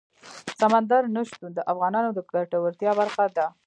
سمندر نه شتون د افغانانو د ګټورتیا برخه ده.